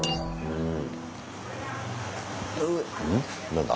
うん。